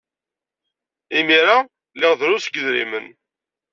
Imir-a, liɣ drus n yidrimen.